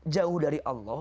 jauh dari allah